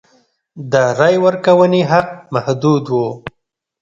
د رایې ورکونې حق محدود و.